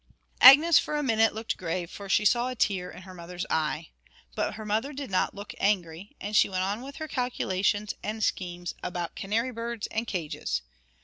Agnes for a minute looked grave, for she saw a tear in her mother's eye. But her mother did not look angry, and she went on with her calculations and schemes about canary birds and cages.